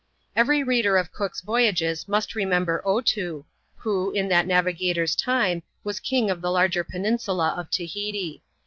Every reader of Cook's Voyages must remember " Otoo," who, in that navigator's time, was king of the larger peninsula of Tahiti.